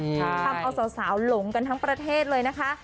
ทำเอาสาวหลงกันทั้งประเทศเลยนะคะ